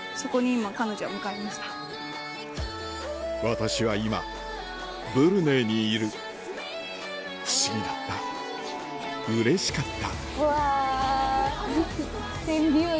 私は今ブルネイにいる不思議だったうれしかったわ。わ。